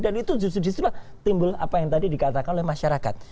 dan itu justru disitulah timbul apa yang tadi dikatakan oleh masyarakat